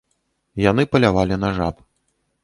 Яны палявалі на жаб.